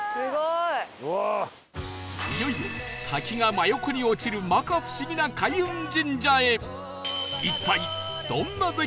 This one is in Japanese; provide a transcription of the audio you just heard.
いよいよ滝が真横に落ちる摩訶不思議な開運神社へ